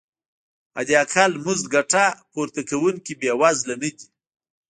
حداقل مزد ګټه پورته کوونکي بې وزله نه دي.